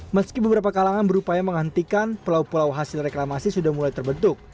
meski beberapa kalangan berupaya menghentikan pulau pulau hasil reklamasi sudah mulai terbentuk